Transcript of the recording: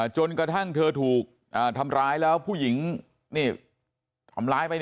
จนกระทั่งเธอถูกทำร้ายแล้วผู้หญิงทำร้ายไป